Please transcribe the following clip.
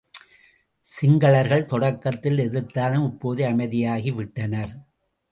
சிங்களர்கள் தொடக்கத்தில் எதிர்த்தாலும் இப்போது அமைதியாகி விட்டனர்.